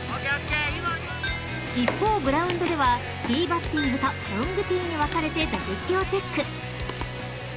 ［一方グラウンドではティーバッティングとロングティーに分かれて打撃をチェック］